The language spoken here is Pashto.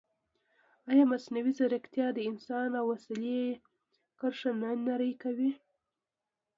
ایا مصنوعي ځیرکتیا د انسان او وسیلې کرښه نه نری کوي؟